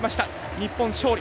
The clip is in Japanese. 日本勝利。